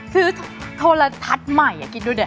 มีโทรทัศน์ใหม่อยากกินดูดิ